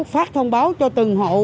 phát thông báo cho từng hộ